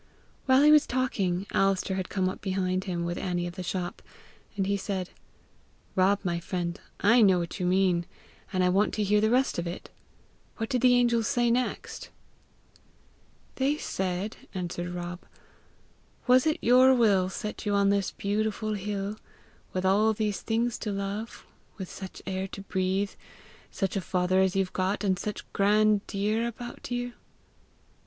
While he was talking, Alister had come up behind him, with Annie of the shop, and he said "Rob, my friend, I know what you mean, and I want to hear the rest of it: what did the angels say next?" "They said," answered Rob, " 'Was it your will set you on this beautiful hill, with all these things to love, with such air to breathe, such a father as you've got, and such grand deer about you?'